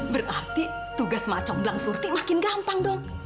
berarti tugas macong belang surti makin gampang dong